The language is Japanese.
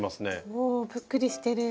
おぷっくりしてる。